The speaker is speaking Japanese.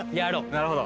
なるほど。